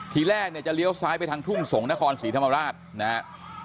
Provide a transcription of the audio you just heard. ทีแรกเนี่ยจะเลี้ยวซ้ายไปทางทุ่งสงศ์นครศรีธรรมราชนะครับ